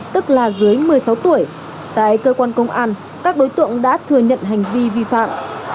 tức là dưới một mươi sáu tuổi tại cơ quan công an các đối tượng đã thừa nhận hành vi vi phạm